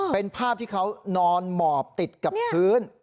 เป็นภาพที่เขานอนหมอบติดกับพื้น